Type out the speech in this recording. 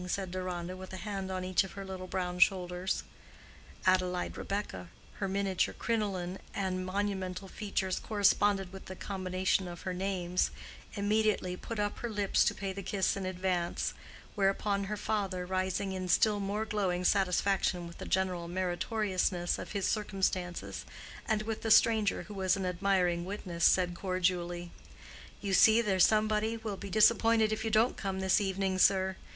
said Deronda with a hand on each of her little brown shoulders. Adelaide Rebekah (her miniature crinoline and monumental features corresponded with the combination of her names) immediately put up her lips to pay the kiss in advance; whereupon her father rising in still more glowing satisfaction with the general meritoriousness of his circumstances, and with the stranger who was an admiring witness, said cordially, "You see there's somebody will be disappointed if you don't come this evening, sir.